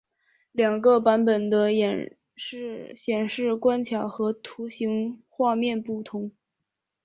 两个版本的演示显示关卡和图形画面不同。